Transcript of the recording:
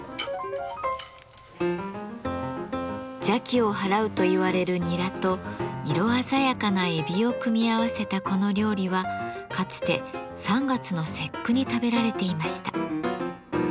邪気を払うといわれるニラと色鮮やかなエビを組み合わせたこの料理はかつて３月の節句に食べられていました。